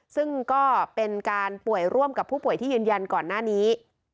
ซึ่งก็เป็นการป่วยร่วมกับผู้ป่วยที่ยืนยันก่อนหน้านี้